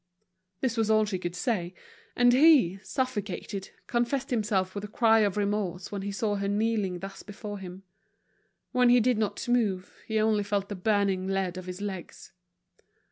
This was all she could say, and he, suffocated, confessed himself with a cry of remorse when he saw her kneeling thus before him. When he did not move he only felt the burning lead of his legs.